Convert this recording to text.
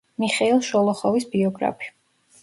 მიხეილ შოლოხოვის ბიოგრაფი.